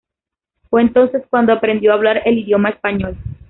Fue entonces cuando aprendió a hablar el idioma español.